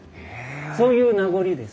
そういう名残です。